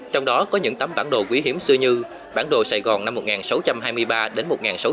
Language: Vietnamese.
trong đó có những tấm bản đồ quý hiếm xưa như bản đồ sài gòn năm một nghìn sáu trăm hai mươi ba đến một nghìn sáu trăm linh